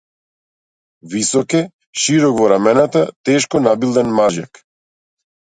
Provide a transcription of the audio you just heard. Висок е, широк во рамената, тешко набилдан мажјак.